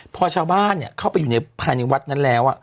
พอชาวบ้านเข้าไปอยู่ในพระนิวัตน์นั้นแล้ว